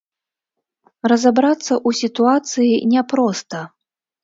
Разабрацца ў сітуацыі няпроста.